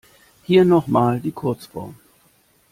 Hier noch mal die Kurzform.